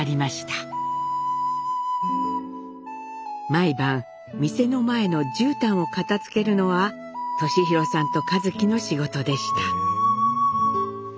毎晩店の前のじゅうたんを片づけるのは年浩さんと一輝の仕事でした。